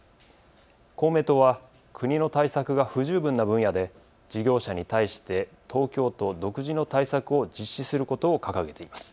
公明党は国の対策が不十分な分野で事業者に対して東京都独自の対策を実施することを掲げています。